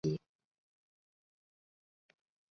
库伦旗是内蒙古自治区通辽市下辖的一个旗。